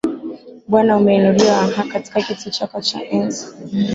Bwana Umeinuliwa aah, katika kiti chako cha enzi